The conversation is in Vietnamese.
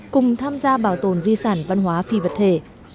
cùng tham gia bảo tồn di sản văn hóa phi vật thể